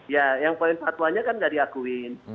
ya yang poin fatwanya kan nggak diakuin